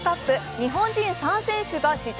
日本人３選手が史上